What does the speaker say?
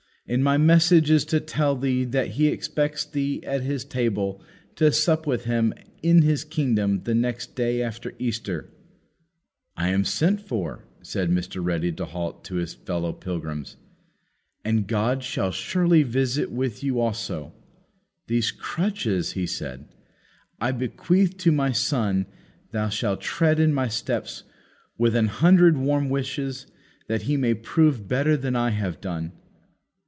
And my message is to tell thee that He expects thee at His table to sup with Him in His kingdom the next day after Easter." "I am sent for," said Mr. Ready to halt to his fellow pilgrims, "and God shall surely visit you also. These crutches," he said, "I bequeath to my son that shall tread in my steps, with an hundred warm wishes that he may prove better than I have done."